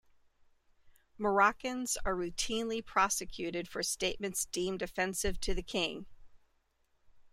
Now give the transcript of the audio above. Moroccans are routinely prosecuted for statements deemed offensive to the King.